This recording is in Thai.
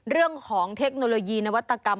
เรื่องของเทคโนโลยีนวัตกรรม